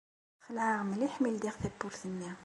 Xelɛeɣ mliḥ mi ldiɣ tawwurt-nni!